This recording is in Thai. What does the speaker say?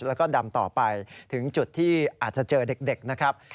แล้วก็ดำต่อไปถึงจุดที่อาจจะเจอเด็กนะครับ